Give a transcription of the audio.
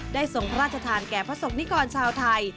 ทรงพระราชทานแก่พระศกนิกรชาวไทย